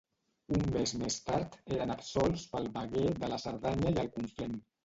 Un mes més tard eren absolts pel veguer de la Cerdanya i el Conflent.